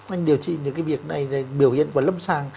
anh điều trị những cái việc này về biểu hiện của lâm sàng